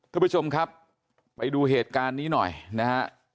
คุณผู้ชมครับไปดูเหตุการณ์นี้หน่อยนะฮะ